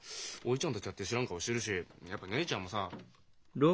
叔父ちゃんたちだって知らん顔してるしやっぱ姉ちゃんもさ。